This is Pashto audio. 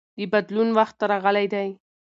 د بدلون وخت راغلی دی.